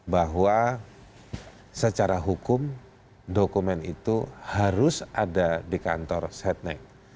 bahwa secara hukum dokumen itu harus ada di kantor setnek